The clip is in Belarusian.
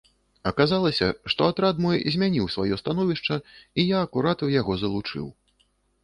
Аказалася, што атрад мой змяніў сваё становішча і я акурат у яго залучыў.